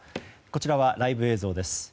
こちらはライブ映像です。